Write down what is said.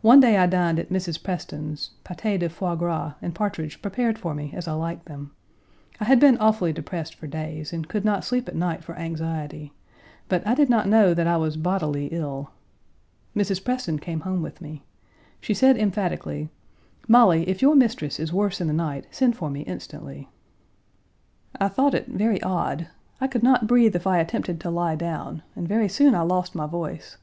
One day I dined at Mrs. Preston's, pâté de foie gras and partridge prepared for me as I like them. I had been awfully depressed for days and could not sleep at night for anxiety, but I did not know that I was bodily ill. Mrs. Preston came home with me. She said emphatically: "Molly, if your mistress is worse in the night send for me instantly." I thought it very odd. I could not breathe if I attempted to lie down, and very soon I lost my voice.